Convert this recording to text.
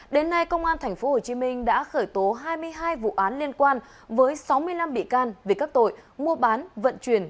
đến nay công an tp hcm đã khởi tố hai mươi hai vụ án liên quan với sáu mươi năm bị can về các tội mua bán vận chuyển